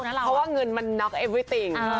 เพราะว่าเงินมันน็อกเอฟริติ่ง